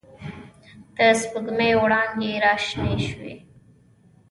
د سپوږ مۍ وړانګې را شنې شوې